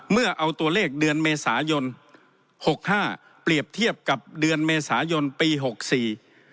เมื่อเอาตัวเลขเดือนเมษายนหกห้าเปรียบเทียบกับเดือนเมษายนปีหกสี่